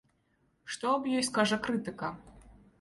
Што аб ёй скажа крытыка?